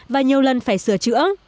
và nhiều lần phải sửa chữa